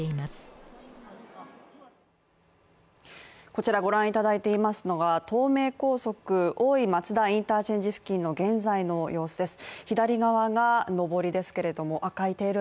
こちらご覧いただいていますのが東名高速大井松田インターチェンジ付近の現在の様子です。